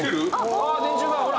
ああ電柱がほら！